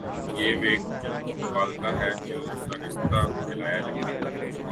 یہ بھی ایک مغالطہ ہے جو دانستہ پھیلایا جا تا ہے۔